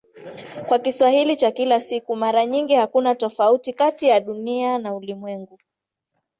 Kwa Kiswahili cha kila siku mara nyingi hakuna tofauti kati ya "Dunia" na "ulimwengu".